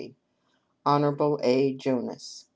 Hon. A. Jonas.